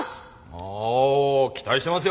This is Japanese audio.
お期待してますよ。